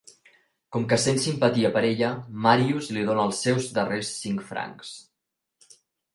Com que sent simpatia per ella, Marius li dona els seus darrers cinc francs.